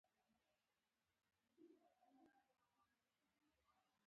لږې اوبه مې د چایو لپاره جوش کړې.